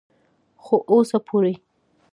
خو اوسه پورې